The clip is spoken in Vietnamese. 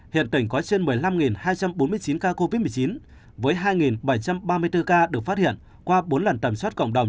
hiện tỉnh có trên một mươi năm hai trăm bốn mươi chín ca covid một mươi chín với hai bảy trăm ba mươi bốn ca được phát hiện qua bốn lần tầm soát cộng đồng